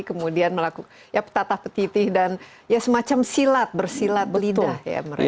kemudian melakukan ya tatah petitih dan ya semacam silat bersilat lidah ya mereka